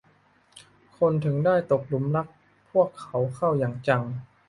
คนถึงได้ตกหลุมรักพวกเขาเข้าอย่างจัง